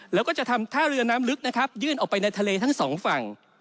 แล้วก็จะทำท่าเรือน้ำลึกนะครับยื่นออกไปในทะเลทั้งสองฝั่ง